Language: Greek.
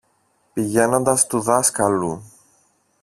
πηγαίνοντας στου δασκάλου